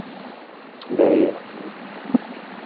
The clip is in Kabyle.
La ireɣɣ wusu-nni!